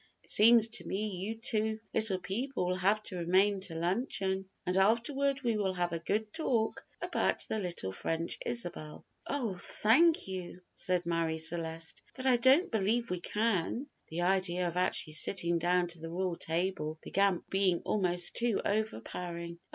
It seems to me you two little people will have to remain to luncheon, and afterward we will have a good talk about the little French Isabel." "Oh, thank you," said Marie Celeste, "but I don't believe we can," the idea of actually sitting down to the royal table being almost too overpowering.